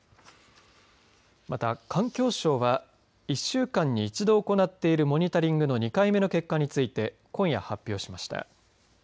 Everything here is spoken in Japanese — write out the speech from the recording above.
また環境省は１週間に一度行っているモニタリングの２回目の結果について今夜、発表しました。